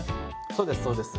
そうですそうです。